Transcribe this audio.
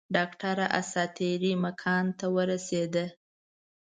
ډاکټره اساطیري مکان ته ورسېده.